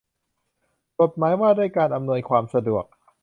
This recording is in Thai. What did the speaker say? กฎหมายว่าด้วยการอำนวยความสะดวก